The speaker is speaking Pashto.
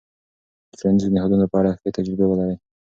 د ټولنيزو نهادونو په اړه ښې تجربې ولرئ.